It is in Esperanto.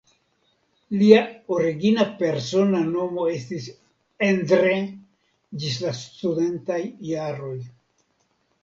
Lia origina persona nomo estis "Endre" ĝis la studentaj jaroj.